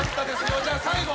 じゃあ最後。